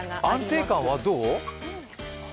安定感はどう？